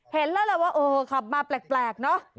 เห็นแล้วว่าโอ้โหขับมาแปลกเนอะ